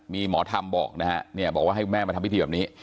มีหมอธรรมบอกว่าให้ให้แม่มาทำพิธีแบบนี้